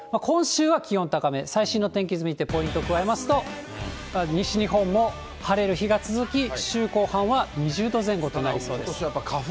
今週は気温高め、最新の天気図見てポイント加えますと、西日本も晴れる日が続き、週後半は２０度前後となりそうです。